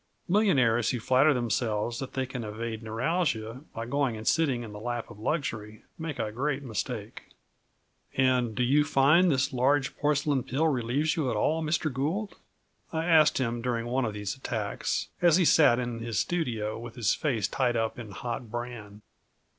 Millionaires who flatter themselves that they can evade neuralgia by going and sitting in the lap of luxury make a great mistake. "And do you find that this large porcelain pill relieves you at all, Mr. Gould?" I asked him during one of these attacks, as he sat in his studio with his face tied up in hot bran.